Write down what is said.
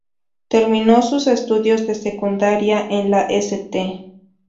Terminó sus estudios de secundaria en la St.